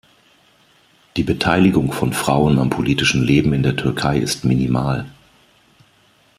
Die Beteiligung von Frauen am politischen Leben in der Türkei ist minimal.